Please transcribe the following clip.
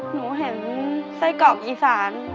หนูเห็นไส้กรอกอีสาน